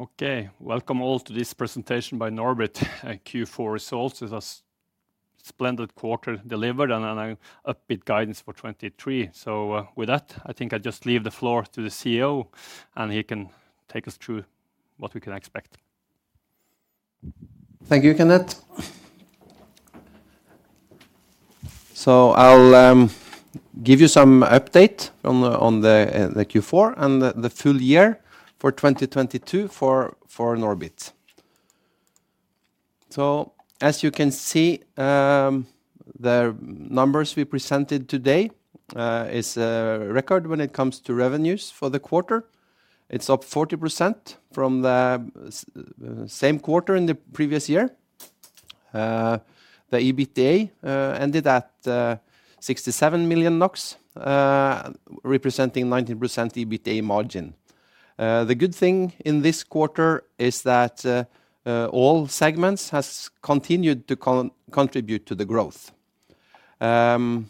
Okay. Welcome all to this presentation by NORBIT, Q4 results. It was a splendid quarter delivered and an upbeat guidance for 2023. With that, I think I just leave the floor to the CEO, and he can take us through what we can expect. Thank you, Kenneth. I'll give you some update on the Q4 and the full year 2022 for NORBIT. As you can see, the numbers we presented today is record when it comes to revenues for the quarter. It's up 40% from the same quarter in the previous year. The EBITDA ended at 67 million NOK, representing 19% EBITDA margin. The good thing in this quarter is that all segments has continued to contribute to the growth. You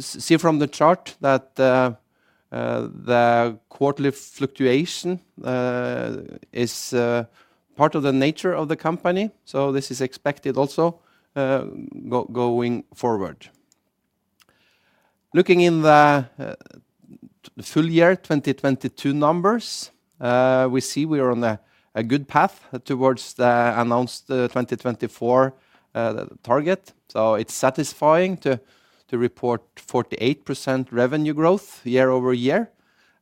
see from the chart that the quarterly fluctuation is part of the nature of the company, so this is expected also going forward. Looking in the full year 2022 numbers, we see we are on a good path towards the announced 2024 target. It's satisfying to report 48% revenue growth year-over-year,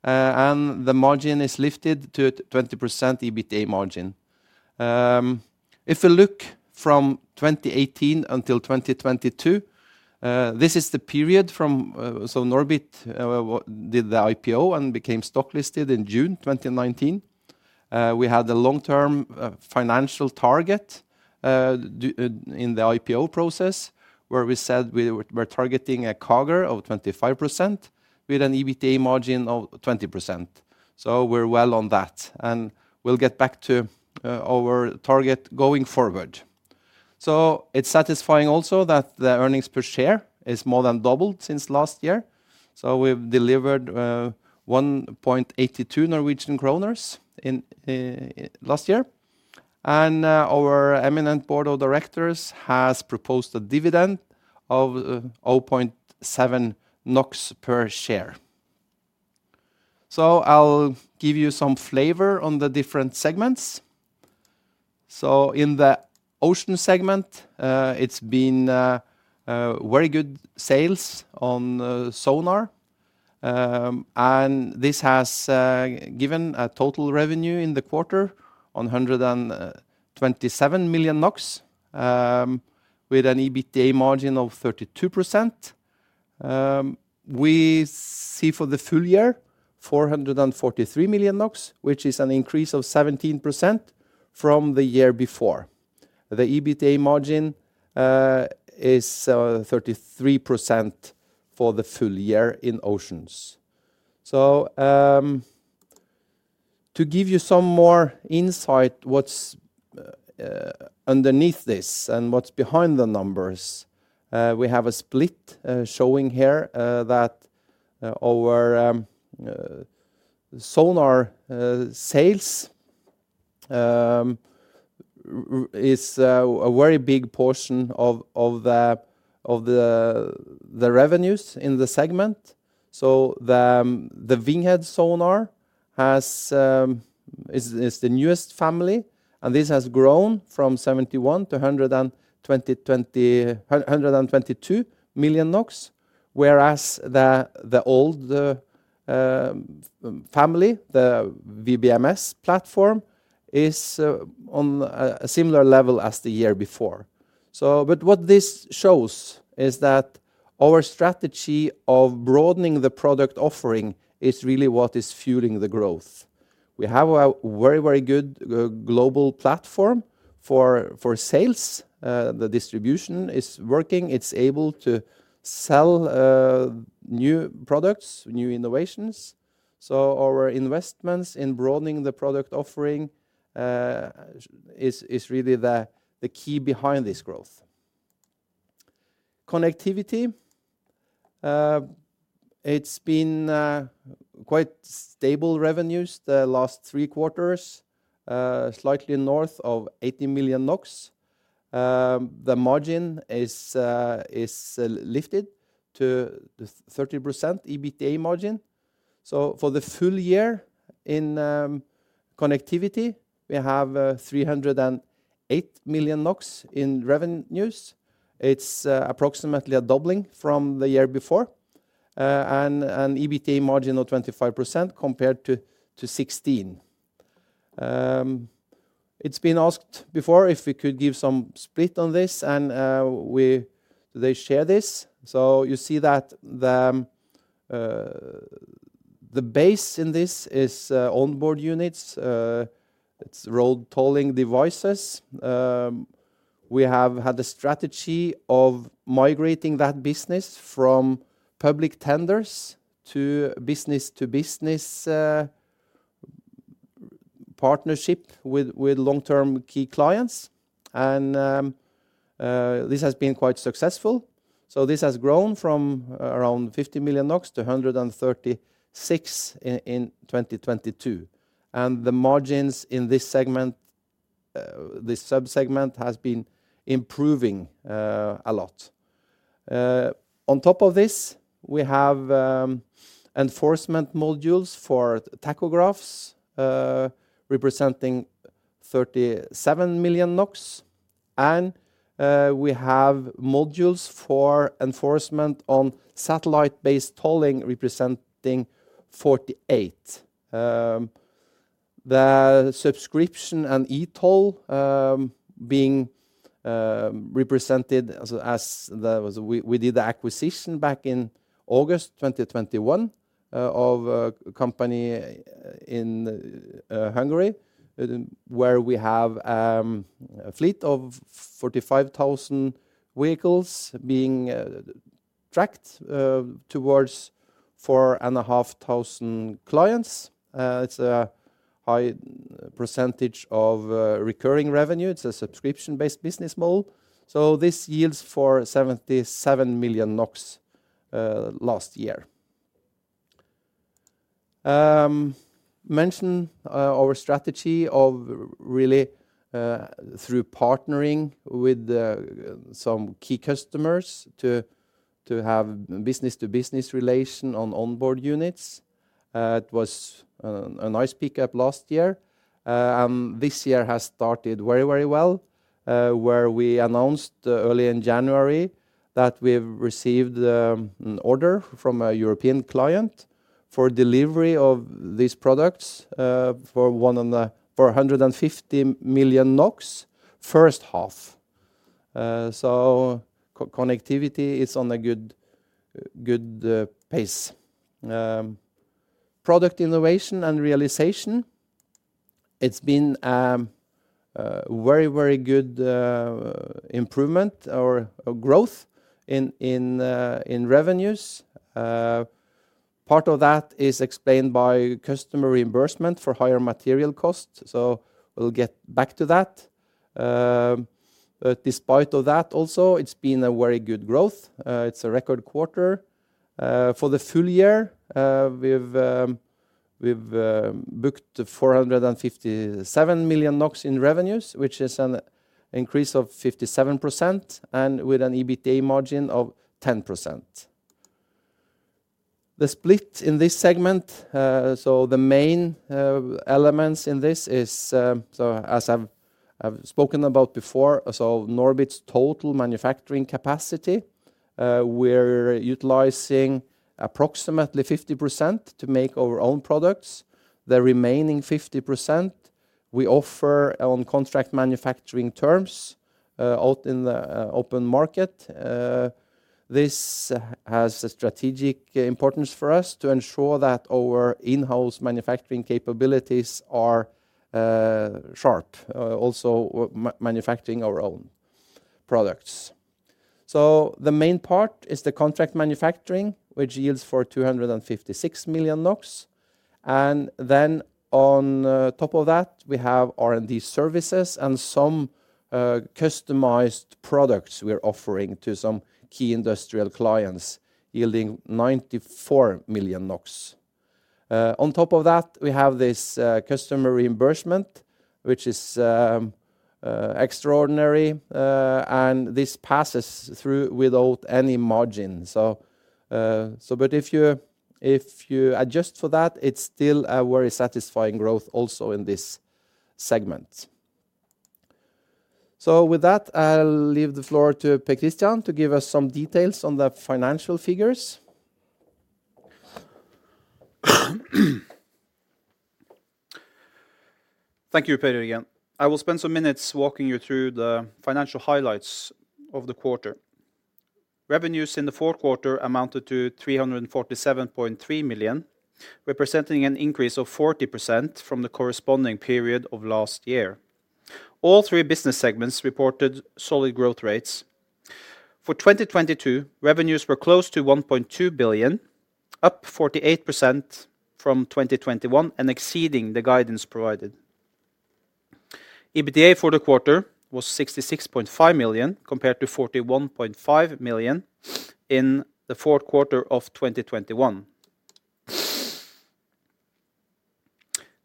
and the margin is lifted to 20% EBITDA margin. If you look from 2018 until 2022, this is the period from NORBIT did the IPO and became stock listed in June 2019. We had the long-term financial target in the IPO process, where we said we're targeting a CAGR of 25% with an EBITDA margin of 20%. We're well on that, and we'll get back to our target going forward. It's satisfying also that the earnings per share is more than doubled since last year. We've delivered 1.82 Norwegian kroner in last year. Our eminent board of directors has proposed a dividend of 0.7 NOK per share. I'll give you some flavor on the different segments. In the Oceans segment, it's been very good sales on sonar, and this has given a total revenue in the quarter on 127 million NOK, with an EBITDA margin of 32%. We see for the full year 443 million NOK, which is an increase of 17% from the year before. The EBITDA margin is 33% for the full year in Oceans. To give you some more insight what's underneath this and what's behind the numbers, we have a split showing here that our sonar sales is a very big portion of the revenues in the segment. The WINGHEAD sonar is the newest family, and this has grown from 71 to 122 million NOK, whereas the old family, the WBMS platform, is on a similar level as the year before. What this shows is that our strategy of broadening the product offering is really what is fueling the growth. We have a very good global platform for sales. The distribution is working. It's able to sell new products, new innovations. Our investments in broadening the product offering is really the key behind this growth. Connectivity. It's been quite stable revenues the last three quarters, slightly north of 80 million NOK. The margin is lifted to 30% EBITDA margin. For the full year in Connectivity, we have 308 million NOK in revenues. It's approximately a doubling from the year before, and an EBITDA margin of 25% compared to 16%. It's been asked before if we could give some split on this and we today share this. You see that the base in this is On-Board Units, it's road tolling devices. We have had a strategy of migrating that business from public tenders to business-to-business Partnership with long-term key clients and this has been quite successful. This has grown from around 50 million NOK to 136 NOK in 2022. The margins in this segment, this sub-segment has been improving a lot. On top of this, we have enforcement modules for tachographs representing 37 million NOK, we have modules for enforcement on satellite-based tolling representing 48 NOK. The subscription and e-toll being represented as the We did the acquisition back in August 2021 of a company in Hungary where we have a fleet of 45,000 vehicles being tracked towards 4,500 clients. It's a high percentage of recurring revenue. It's a subscription-based business model, this yields for 77 million NOK last year. Mention our strategy of really through partnering with some key customers to have B2B relation on OBUs. It was a nice pickup last year. This year has started very, very well, where we announced early in January that we've received an order from a European client for delivery of these products for 150 million NOK first half. Connectivity is on a good pace. Product Innovation & Realization, it's been a very, very good improvement or growth in revenues. Part of that is explained by customer reimbursement for higher material costs, we'll get back to that. Despite of that also, it's been a very good growth. It's a record quarter. For the full year, we've booked 457 million NOK in revenues, which is an increase of 57% and with an EBITDA margin of 10%. The split in this segment, the main elements in this is, as I've spoken about before, NORBIT's total manufacturing capacity, we're utilizing approximately 50% to make our own products. The remaining 50% we offer on contract manufacturing terms out in the open market. This has a strategic importance for us to ensure that our in-house manufacturing capabilities are sharp, also manufacturing our own products. The main part is the contract manufacturing, which yields for 256 million NOK. On top of that, we have R&D services and some customized products we're offering to some key industrial clients, yielding 94 million NOK. On top of that, we have this customer reimbursement, which is extraordinary, and this passes through without any margin. But if you adjust for that, it's still a very satisfying growth also in this segment. With that, I'll leave the floor to Per Kristian to give us some details on the financial figures. Thank you, Per, again. I will spend some minutes walking you through the financial highlights of the quarter. Revenues in the fourth quarter amounted to 347.3 million, representing an increase of 40% from the corresponding period of last year. All three business segments reported solid growth rates. For 2022, revenues were close to 1.2 billion, up 48% from 2021 and exceeding the guidance provided. EBITDA for the quarter was 66.5 million compared to 41.5 million in the fourth quarter of 2021.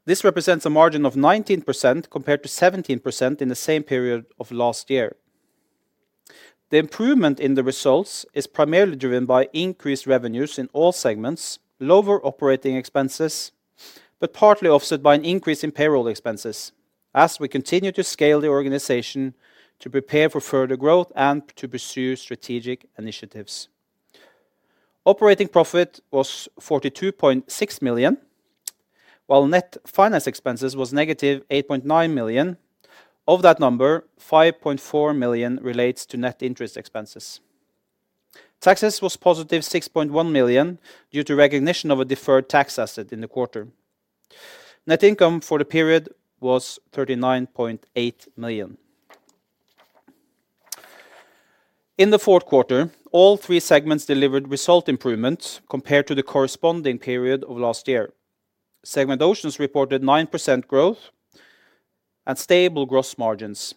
This represents a margin of 19% compared to 17% in the same period of last year. The improvement in the results is primarily driven by increased revenues in all segments, lower operating expenses, but partly offset by an increase in payroll expenses as we continue to scale the organization to prepare for further growth and to pursue strategic initiatives. Operating profit was 42.6 million, while net finance expenses was negative 8.9 million. Of that number, 5.4 million relates to net interest expenses. Taxes was positive 6.1 million due to recognition of a deferred tax asset in the quarter. Net income for the period was 39.8 million. In the fourth quarter, all three segments delivered result improvements compared to the corresponding period of last year. Segment Oceans reported 9% growth and stable gross margins.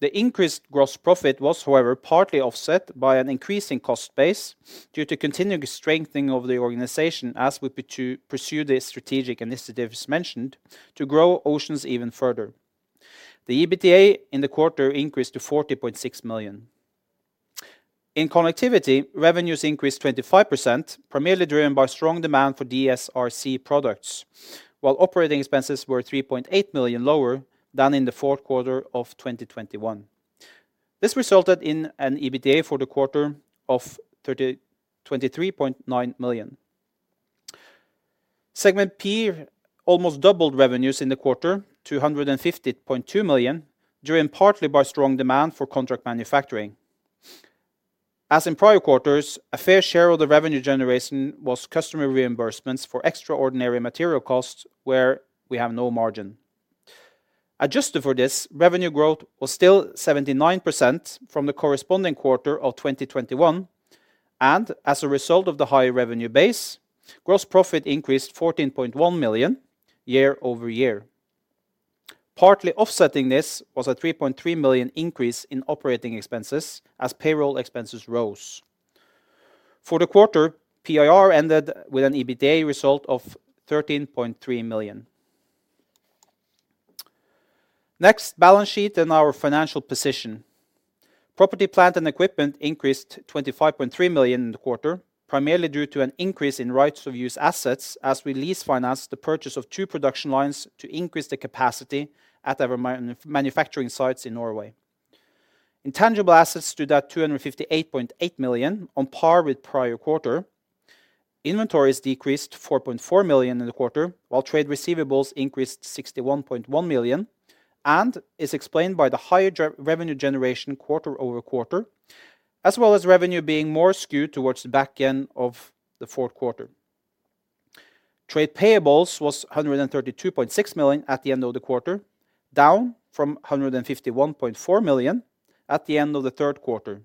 The increased gross profit was, however, partly offset by an increase in cost base due to continuing strengthening of the organization as we to pursue the strategic initiatives mentioned to grow Oceans even further. The EBITDA in the quarter increased to 40.6 million. In Connectivity, revenues increased 25%, primarily driven by strong demand for DSRC products, while operating expenses were 3.8 million lower than in the fourth quarter of 2021. This resulted in an EBITDA for the quarter of 23.9 million. Segment PIR almost doubled revenues in the quarter to 150.2 million, driven partly by strong demand for contract manufacturing. As in prior quarters, a fair share of the revenue generation was customer reimbursements for extraordinary material costs where we have no margin. Adjusted for this, revenue growth was still 79% from the corresponding quarter of 2021. As a result of the higher revenue base, gross profit increased 14.1 million year over year. Partly offsetting this was a 3.3 million increase in operating expenses as payroll expenses rose. For the quarter, PIR ended with an EBITDA result of 13.3 million. Next, balance sheet and our financial position. Property plant and equipment increased 25.3 million in the quarter, primarily due to an increase in rights of use assets as we lease finance the purchase of two production lines to increase the capacity at our man-manufacturing sites in Norway. Intangible assets stood at 258.8 million, on par with prior quarter. Inventories decreased 4.4 million in the quarter, while trade receivables increased 61.1 million and is explained by the higher revenue generation quarter-over-quarter, as well as revenue being more skewed towards the back end of the fourth quarter. Trade payables was 132.6 million at the end of the quarter, down from 151.4 million at the end of the third quarter.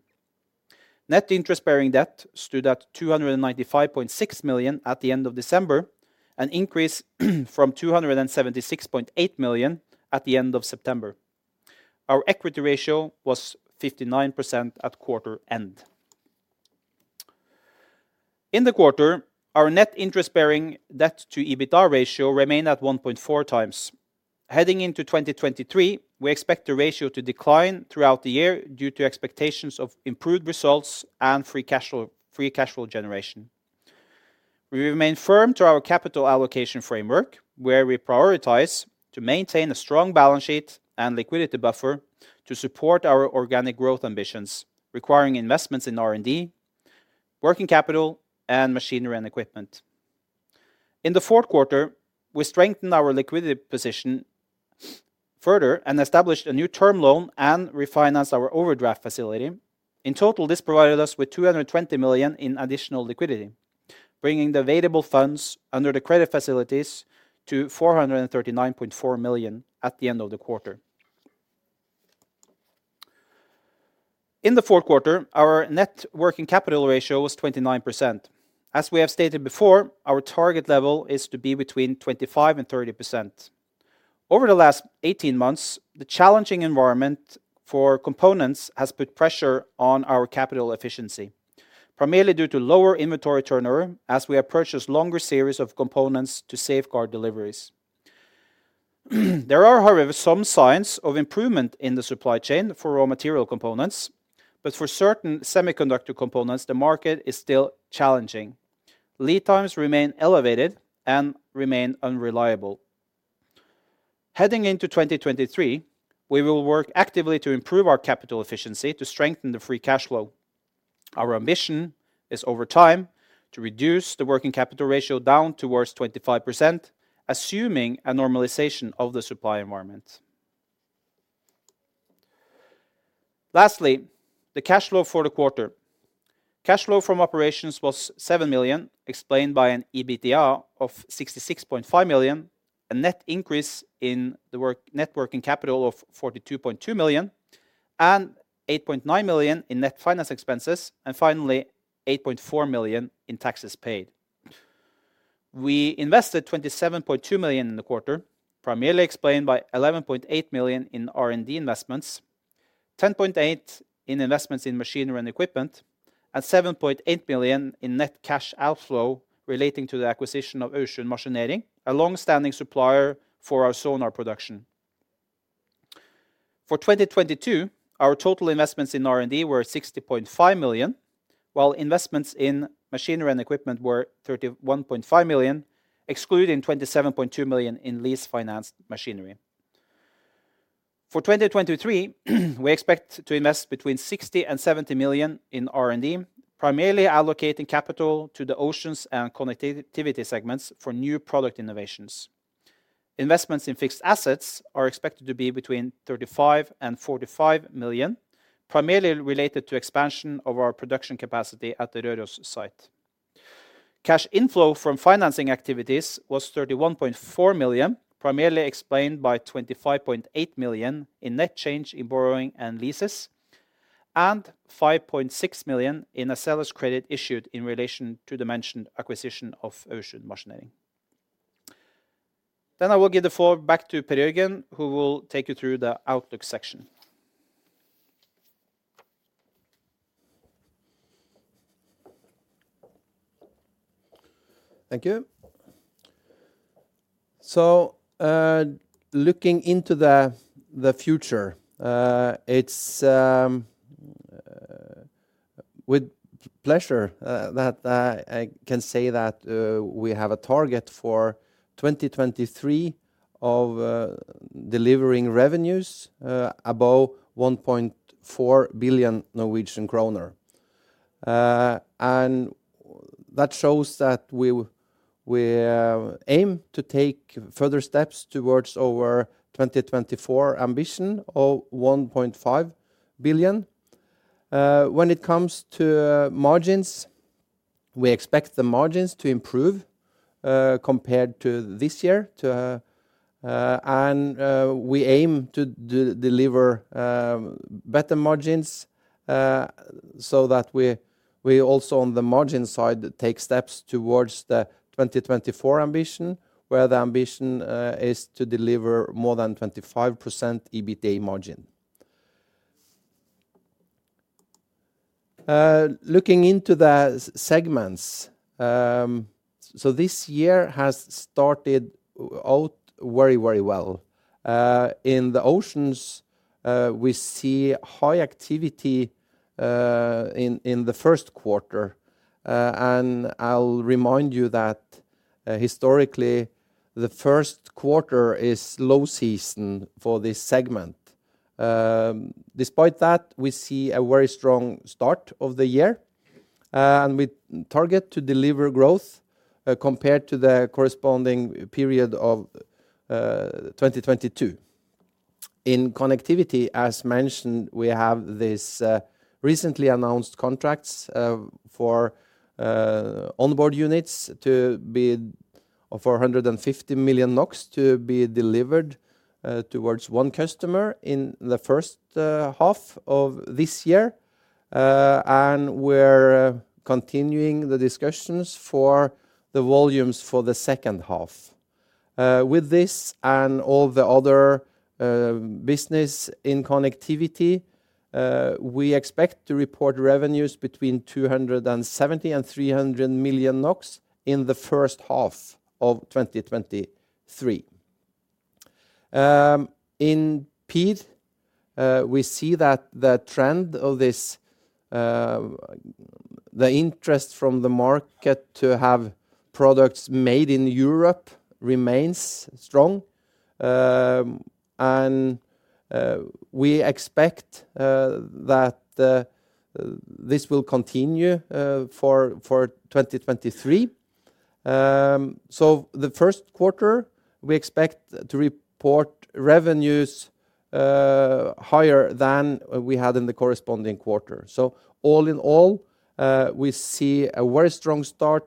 Net interest-bearing debt stood at 295.6 million at the end of December, an increase from 276.8 million at the end of September. Our equity ratio was 59% at quarter end. In the quarter, our net interest-bearing debt to EBITDA ratio remained at 1.4 times. Heading into 2023, we expect the ratio to decline throughout the year due to expectations of improved results and free cash flow generation. We remain firm to our capital allocation framework, where we prioritize to maintain a strong balance sheet and liquidity buffer to support our organic growth ambitions, requiring investments in R&D, working capital, and machinery and equipment. In the fourth quarter, we strengthened our liquidity position further and established a new term loan and refinanced our overdraft facility. In total, this provided us with 220 million in additional liquidity, bringing the available funds under the credit facilities to 439.4 million at the end of the quarter. In the fourth quarter, our net working capital ratio was 29%. We have stated before, our target level is to be between 25% and 30%. Over the last 18 months, the challenging environment for components has put pressure on our capital efficiency, primarily due to lower inventory turnover as we have purchased longer series of components to safeguard deliveries. There are, however, some signs of improvement in the supply chain for raw material components, but for certain semiconductor components, the market is still challenging. Lead times remain elevated and remain unreliable. Heading into 2023, we will work actively to improve our capital efficiency to strengthen the free cash flow. Our ambition is over time to reduce the working capital ratio down towards 25%, assuming a normalization of the supply environment. Lastly, the cash flow for the quarter. Cash flow from operations was 7 million, explained by an EBITDA of 66.5 million, a net increase in net working capital of 42.2 million and 8.9 million in net finance expenses, and finally, 8.4 million in taxes paid. We invested 27.2 million in the quarter, primarily explained by 11.8 million in R&D investments, 10.8 million in investments in machinery and equipment, and 7.8 million in net cash outflow relating to the acquisition of Aursund Maskinering, a long-standing supplier for our sonar production. For 2022, our total investments in R&D were 60.5 million, while investments in machinery and equipment were 31.5 million, excluding 27.2 million in lease finance machinery. For 2023, we expect to invest between 60 million and 70 million in R&D, primarily allocating capital to the Oceans and Connectivity segments for new product innovations. Investments in fixed assets are expected to be between 35 million and 45 million, primarily related to expansion of our production capacity at the Røros site. Cash inflow from financing activities was 31.4 million, primarily explained by 25.8 million in net change in borrowing and leases and 5.6 million in a seller's credit issued in relation to the mentioned acquisition of Aursund Maskinering. I will give the floor back to Per Jørgen, who will take you through the outlook section. Thank you. Looking into the future, it's with pleasure that I can say that we have a target for 2023 of delivering revenues above 1.4 billion Norwegian kroner. That shows that we aim to take further steps towards our 2024 ambition of 1.5 billion. When it comes to margins, we expect the margins to improve compared to this year, and we aim to deliver better margins so that we also on the margin side take steps towards the 2024 ambition, where the ambition is to deliver more than 25% EBITDA margin. Looking into the segments, this year has started out very, very well. In the Oceans, we see high activity in the first quarter. I'll remind you that historically, the first quarter is low season for this segment. Despite that, we see a very strong start of the year, and we target to deliver growth compared to the corresponding period of 2022. In Connectivity, as mentioned, we have this recently announced contracts for On-Board Units of 450 million NOK to be delivered towards one customer in the first half of this year. We're continuing the discussions for the volumes for the second half. With this and all the other business in Connectivity, we expect to report revenues between 270 million NOK and 300 million NOK in the first half of 2023. In PIR, we see that the trend of this, the interest from the market to have products made in Europe remains strong. We expect that this will continue for 2023. The first quarter, we expect to report revenues higher than we had in the corresponding quarter. All in all, we see a very strong start.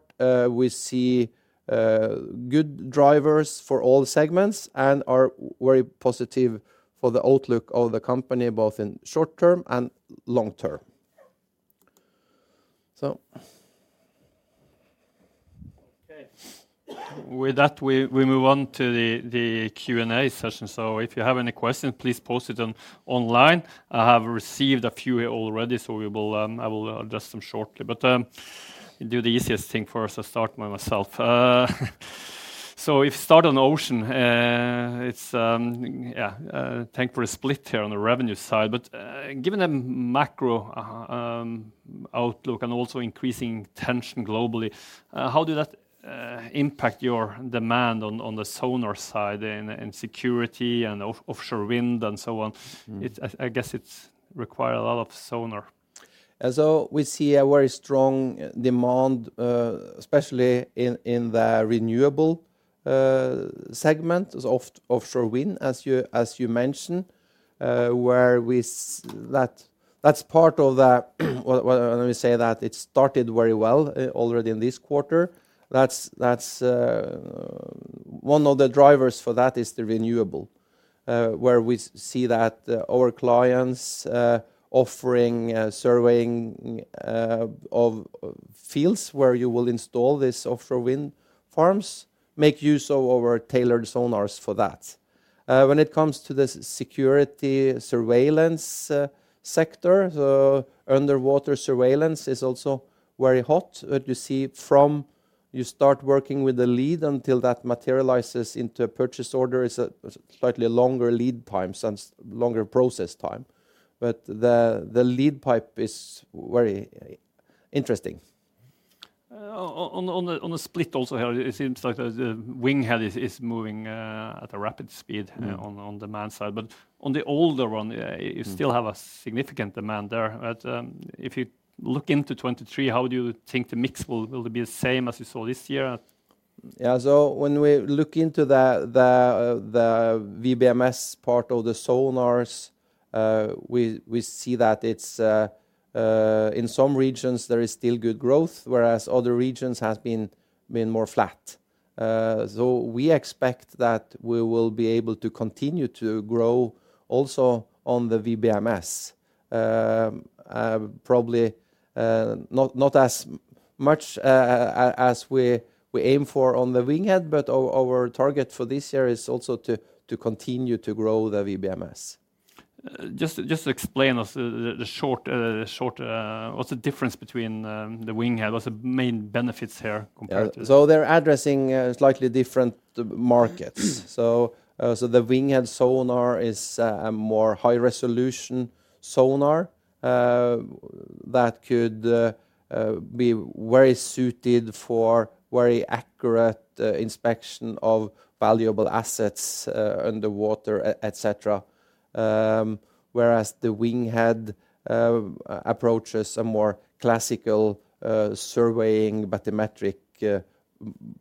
We see good drivers for all segments and are very positive for the outlook of the company, both in short term and long term. Okay. With that, we move on to the Q&A session. If you have any questions, please post it online. I have received a few here already, so we will, I will address them shortly. Do the easiest thing first, I start by myself. If start on Oceans, it's, yeah, thank for a split here on the revenue side. Given the macro outlook and also increasing tension globally, how did that impact your demand on the sonar side and security and offshore wind and so on? I guess it's require a lot of sonar. We see a very strong demand, especially in the renewable segment of offshore wind, as you mentioned, let me say that it started very well already in this quarter. That's one of the drivers for that is the renewable, where we see that our clients offering surveying of fields where you will install these offshore wind farms make use of our tailored sonars for that. When it comes to the security surveillance sector, the underwater surveillance is also very hot. What you see from you start working with the lead until that materializes into a purchase order is a slightly longer lead time, since longer process time. The lead pipeline is very interesting. On the split also here, it seems like the WINGHEAD is moving at a rapid speed... on demand side. On the older you still have a significant demand there. If you look into 2023, how do you think the mix will be the same as you saw this year? When we look into the WBMS part of the sonars, we see that it's in some regions there is still good growth, whereas other regions has been more flat. We expect that we will be able to continue to grow also on the WBMS. Probably not as much as we aim for on the WINGHEAD, but our target for this year is also to continue to grow the WBMS. Just explain us, the short. What's the difference between the WINGHEAD? What's the main benefits here? Yeah. They're addressing slightly different markets. The WINGHEAD sonar is a more high resolution sonar that could be very suited for very accurate inspection of valuable assets underwater, et cetera. Whereas the WINGHEAD approaches a more classical surveying bathymetric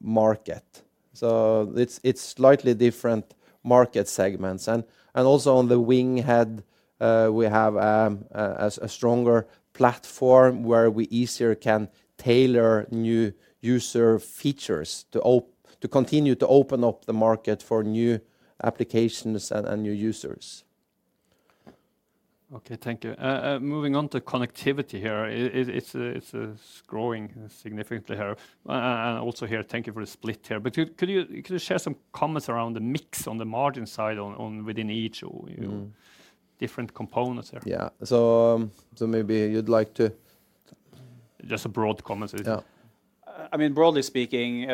market. It's slightly different market segments. Also on the WINGHEAD, we have a stronger platform where we easier can tailor new user features to continue to open up the market for new applications and new users. Okay, thank you. moving on to Connectivity here. It's growing significantly here. also here, thank you for the split here, could you share some comments around the mix on the margin side on within each or, you know, different components there? Yeah. so maybe you'd like to... Just a broad comment or two. Yeah. I mean, broadly speaking,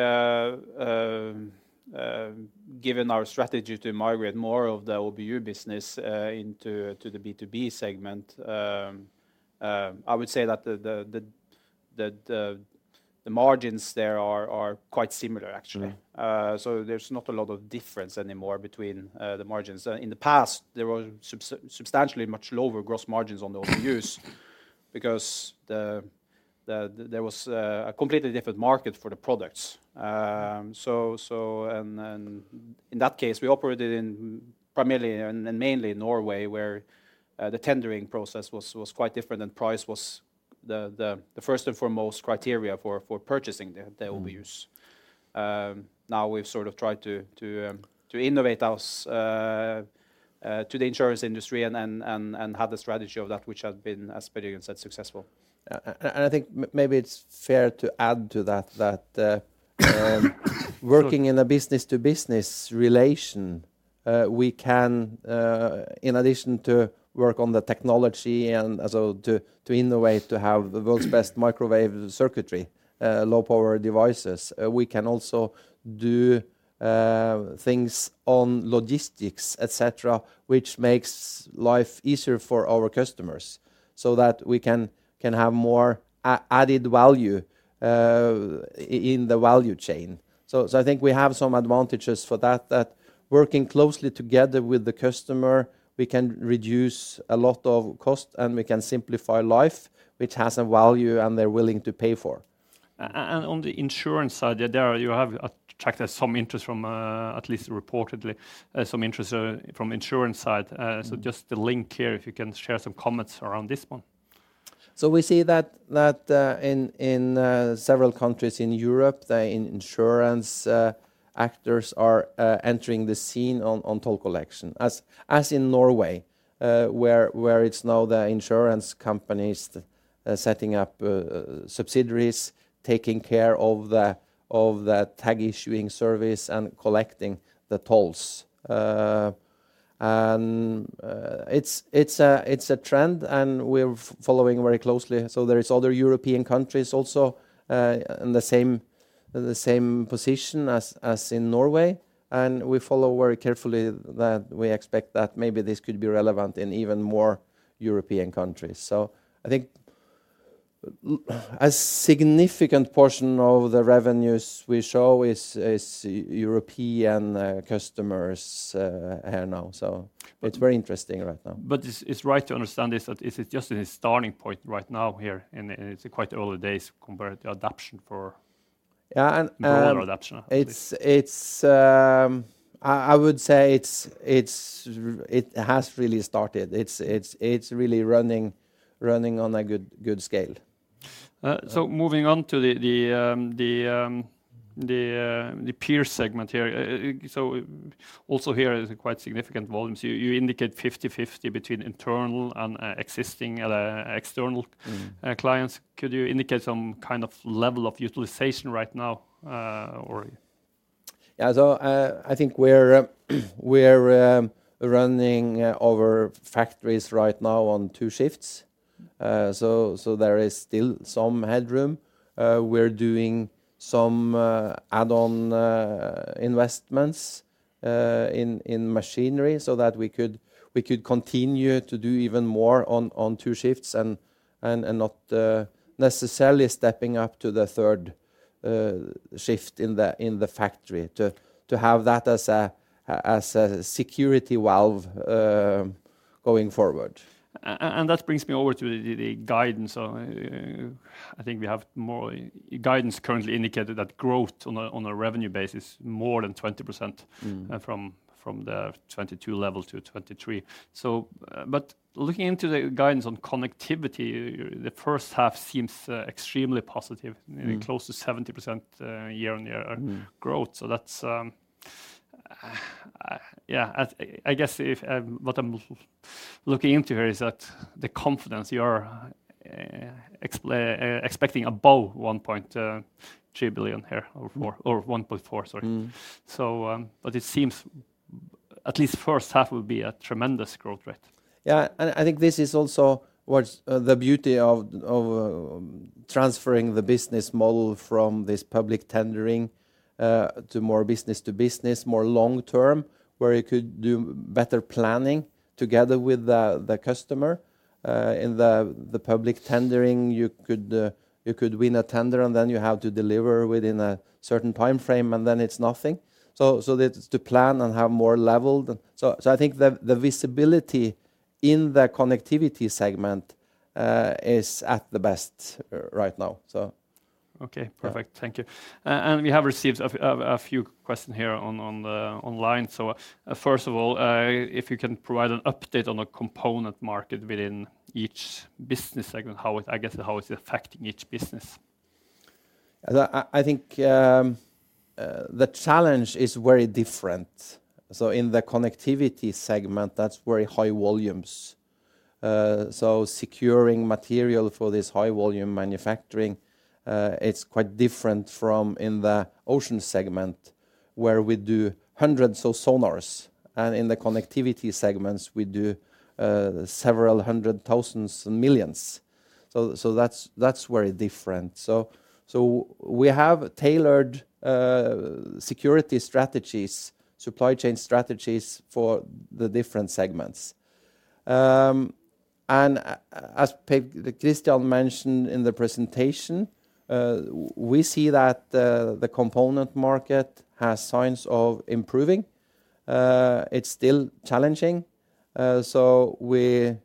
given our strategy to migrate more of the OBU business into the B2B segment, I would say that the margins there are quite similar actually. There's not a lot of difference anymore between the margins. In the past, there was substantially much lower gross margins on the OBUs because there was a completely different market for the products. In that case, we operated in primarily and mainly Norway, where the tendering process was quite different and price was the first and foremost criteria for purchasing the OBUs. Now we've sort of tried to innovate us to the insurance industry and have the strategy of that which has been, as Per Jørgen said, successful. And I think maybe it's fair to add to that working in a business to business relation, we can in addition to work on the technology and so to innovate to have the world's best microwave circuitry, low power devices, we can also do things on logistics, et cetera, which makes life easier for our customers so that we can have more added value in the value chain. I think we have some advantages for that working closely together with the customer, we can reduce a lot of cost, and we can simplify life, which has a value and they're willing to pay for. On the insurance side, yeah, there you have attracted some interest from, at least reportedly, some interest from insurance side. Just the link here, if you can share some comments around this one. We see that in several countries in Europe, the insurance actors are entering the scene on toll collection as in Norway, where it's now the insurance companies setting up subsidiaries, taking care of the tag issuing service and collecting the tolls. It's a trend and we're following very closely. There is other European countries also in the same position as in Norway. We follow very carefully that we expect that maybe this could be relevant in even more European countries. I think a significant portion of the revenues we show is European customers here now. It's very interesting right now. is right to understand this that this is just in the starting point right now here and it's quite early days compared to adoption. Yeah. ....broader adoption at least.... it's... I would say it's it has really started. It's really running on a good scale. Moving on to the PIR segment here. Also here is quite significant volumes. You indicate 50/50 between internal and existing external clients. Could you indicate some kind of level of utilization right now, or... Yeah. I think we're running our factories right now on two shifts. There is still some headroom. We're doing some add-on investments in machinery so that we could continue to do even more on two shifts and not necessarily stepping up to the third shift in the factory to have that as a security valve. Going forward That brings me over to the guidance. I think we have more guidance currently indicated that growth on a revenue basis more than 20%. From the 2022 level to 2023. Looking into the guidance on Connectivity, the first half seems extremely positive. Close to 70% year-on-year-... growth. That's, yeah, I guess if, what I'm looking into here is that the confidence you are expecting above 1.3 billion here or more, or 1.4 billion, sorry. It seems at least first half will be a tremendous growth rate. I think this is also what's the beauty of transferring the business model from this public tendering to more business to business, more long-term, where you could do better planning together with the customer. In the public tendering you could win a tender and then you have to deliver within a certain timeframe, and then it's nothing. That's to plan and have more level. I think the visibility in the Connectivity segment is at the best right now, so. Okay. Yeah. Perfect. Thank you. We have received a few question here on the online. First of all, if you can provide an update on the component market within each business segment. I guess, how it's affecting each business. I think the challenge is very different. In the Connectivity segment, that's very high volumes. Securing material for this high-volume manufacturing, it's quite different from in the Oceans segment, where we do hundreds of sonars. In the Connectivity segments, we do several hundred thousands and millions. That's very different. We have tailored security strategies, supply chain strategies for the different segments. As Per Kristian mentioned in the presentation, we see that the component market has signs of improving. It's still challenging, so we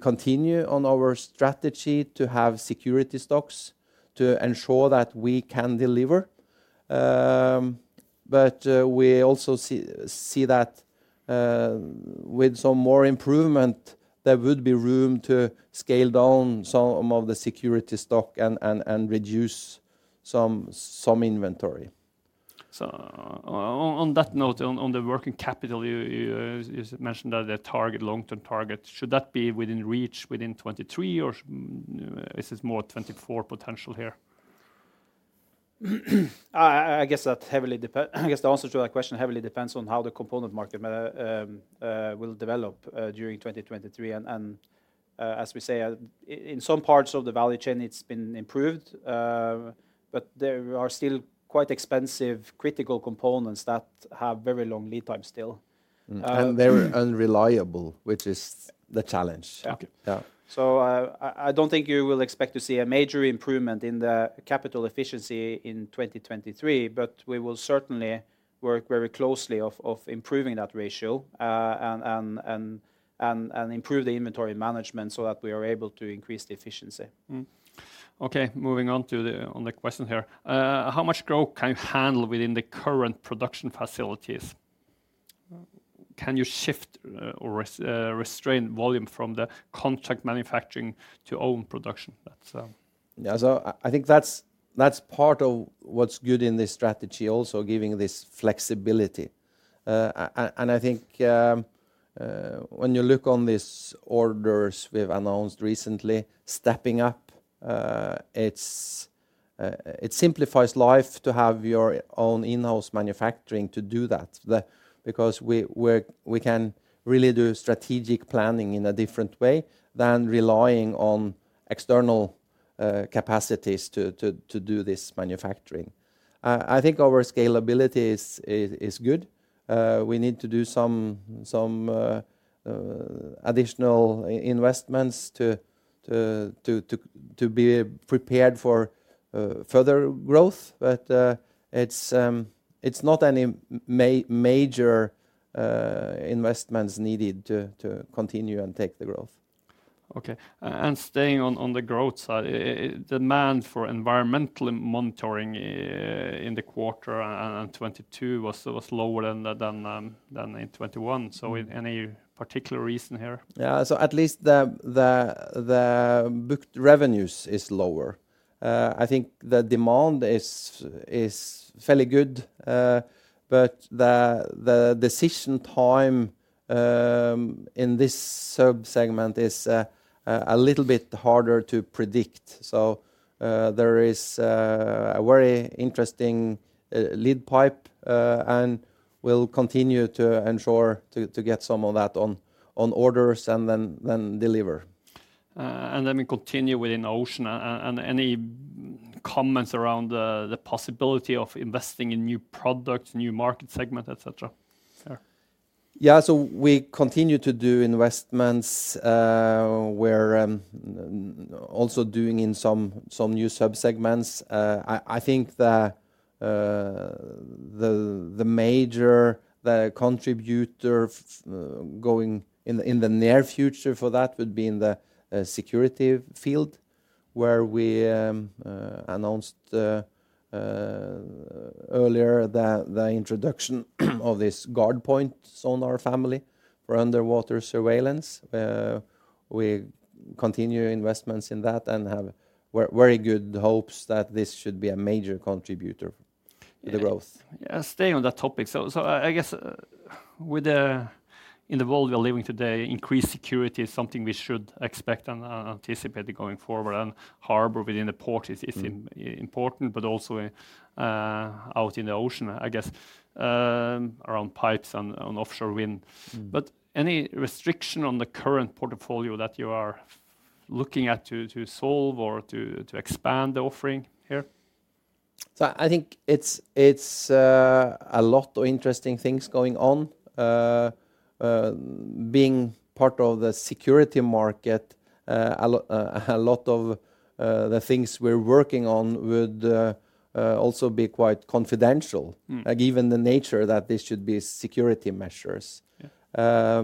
continue on our strategy to have security stocks to ensure that we can deliver. We also see that, with some more improvement, there would be room to scale down some of the security stock and reduce inventory. on that note, on the working capital, you mentioned that the target, long-term target, should that be within reach within 2023, or is this more 2024 potential here? I guess the answer to that question heavily depends on how the component market will develop during 2023. As we say, in some parts of the value chain it's been improved, but there are still quite expensive critical components that have very long lead time still. Very unreliable, which is the challenge. Yeah. Okay. Yeah. I don't think you will expect to see a major improvement in the capital efficiency in 2023, but we will certainly work very closely of improving that ratio and improve the inventory management so that we are able to increase the efficiency. Okay, moving on on the question here. How much growth can you handle within the current production facilities? Can you shift or restrain volume from the contract manufacturing to own production? That's. Yeah, I think that's part of what's good in this strategy also, giving this flexibility. I think, when you look on this orders we've announced recently, stepping up, it's, it simplifies life to have your own in-house manufacturing to do that. Because we can really do strategic planning in a different way than relying on external capacities to do this manufacturing. I think our scalability is good. We need to do some additional investments to be prepared for further growth, but it's not any major investments needed to continue and take the growth. Okay. Staying on the growth side, demand for environmental monitoring in the quarter, 2022 was lower than the than in 2021. Any particular reason here? Yeah. At least the booked revenues is lower. I think the demand is fairly good, but the decision time in this subsegment is a little bit harder to predict. There is a very interesting lead pipeline, and we'll continue to ensure to get some of that on orders and then deliver. Let me continue within Oceans. Any comments around the possibility of investing in new products, new market segment, et cetera? Sure. Yeah, we continue to do investments, we're also doing in some new subsegments. I think the major contributor going in the near future for that would be in the security field where we announced earlier the introduction of this Guardpoint sonar family for underwater surveillance. We continue investments in that and have very good hopes that this should be a major contributor to the growth. Yeah. Staying on that topic. I guess in the world we are living today, increased security is something we should expect and anticipate going forward and harbor within the port.... is important, but also, out in the ocean, I guess, around pipes on offshore wind. Any restriction on the current portfolio that you are looking at to solve or to expand the offering here? I think it's a lot of interesting things going on. Being part of the security market, a lot of the things we're working on would also be quite confidential. Like even the nature that this should be security measures. Yeah.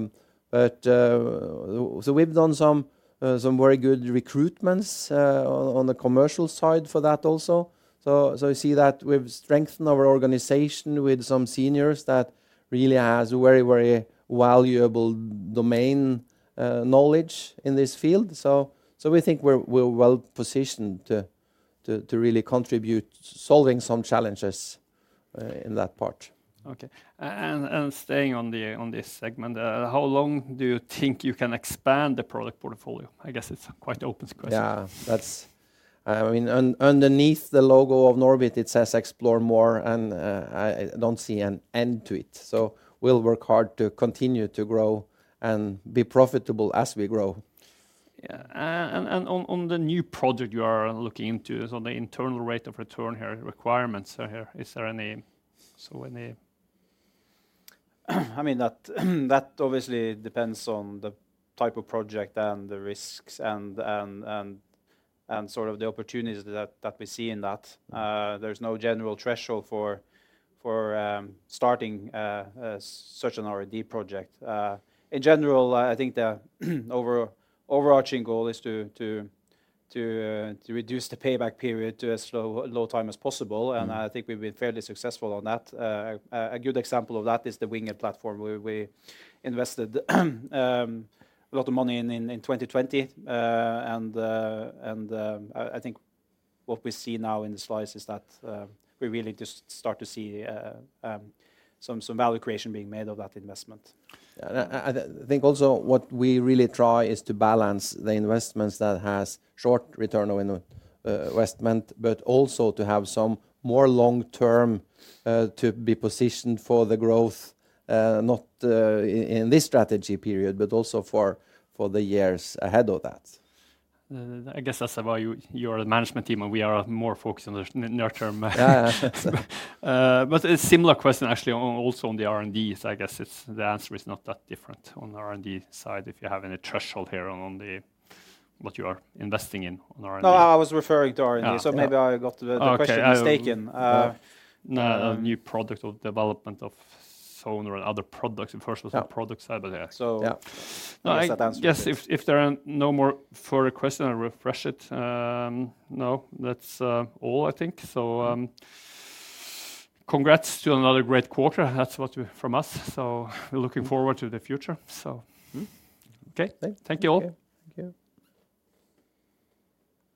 We've done some very good recruitments, on the commercial side for that also. I see that we've strengthened our organization with some seniors that really has very, very valuable domain, knowledge in this field. We think we're well-positioned to really contribute solving some challenges, in that part. Okay. Staying on this segment, how long do you think you can expand the product portfolio? I guess it's a quite open question. Yeah. That's. I mean, underneath the logo of NORBIT, it says explore more, and I don't see an end to it. We'll work hard to continue to grow and be profitable as we grow. Yeah. On the new project you are looking into is on the internal rate of return here requirements are here. Is there any... I mean, that obviously depends on the type of project and the risks and sort of the opportunities that we see in that. There's no general threshold for starting such an R&D project. In general, I think the overarching goal is to reduce the payback period to as low time as possible. I think we've been fairly successful on that. A good example of that is the WINGHEAD platform where we invested a lot of money in 2020. I think what we see now in the slides is that we're really just start to see some value creation being made of that investment. Yeah. I think also what we really try is to balance the investments that has short return of investment, but also to have some more long-term to be positioned for the growth not in this strategy period, but also for the years ahead of that. I guess that's about you're the management team and we are more focused on the near term. Yeah. A similar question actually also on the R&Ds, I guess it's the answer is not that different on R&D side, if you have any threshold here on the, what you are investing in on R&D. No, I was referring to R&D. Yeah. Maybe I got the question mistaken. Okay. No. A new product of development of sonar and other products. Yeah... the product side. Yeah. So- Yeah... that answers it. Yes. If there are no more further question, I'll refresh it. No, that's all, I think. Congrats to another great quarter. That's what we from us. We're looking forward to the future. Okay. Great. Thank you all. Thank you.